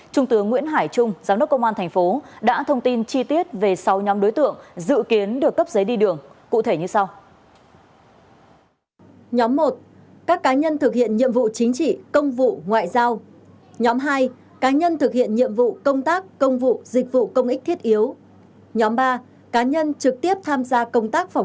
trung tướng nguyễn hải trung giám đốc công an thành phố đã thông tin chi tiết về sáu nhóm đối tượng dự kiến được cấp giấy đi đường cụ thể như sau